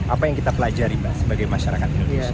apa yang kita pelajari mbak sebagai masyarakat indonesia